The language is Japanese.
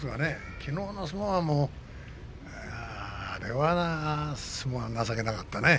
きのうの相撲は、いやああれは情けなかったね。